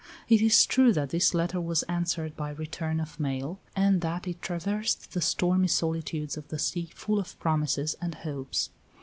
It is true that this letter was answered by return of mail, and that it traversed the stormy solitudes of the sea full of promises and hopes.